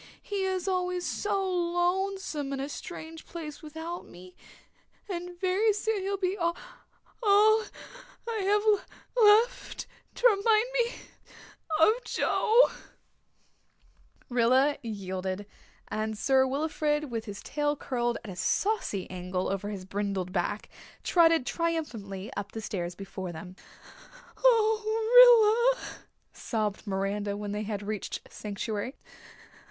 He is always so lonesome in a strange place without me and very soon he'll be all I'll have left to remind me of Joe." Rilla yielded, and Sir Wilfrid, with his tail curled at a saucy angle over his brindled back, trotted triumphantly up the stairs before them. "Oh, Rilla," sobbed Miranda, when they had reached sanctuary.